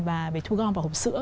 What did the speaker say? về thu gom và hộp sữa